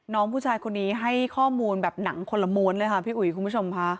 น้องผู้ชายคนนี้ให้ข้อมูลแบบหนังคนละม้วนเลยค่ะพี่อุ๋ยคุณผู้ชมค่ะ